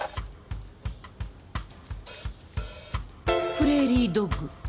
プレーリードッグ。